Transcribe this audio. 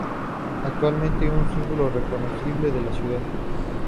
Actualmente es un símbolo reconocible de la ciudad.